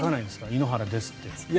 井ノ原ですって。